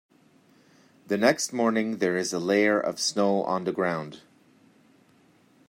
The next morning there is a layer of snow on the ground.